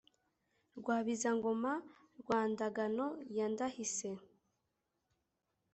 rwabiza ngoma rwa ndagano ya ndahise